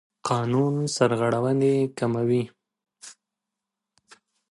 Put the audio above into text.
قانون سرغړونې کموي.